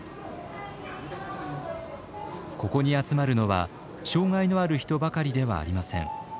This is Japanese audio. ここに集まるのは障害のある人ばかりではありません。